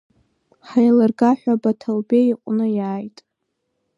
Ҳаилырга ҳәа Баҭалбеи иҟны иааит.